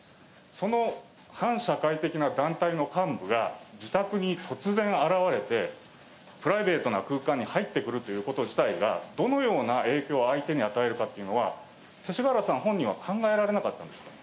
その反社会的な団体の幹部が、自宅に突然現れて、プライベートな空間に入ってくること自体が、どのような影響を相手に与えるかというのは、勅使河原さん本人は考えられなかったんですか。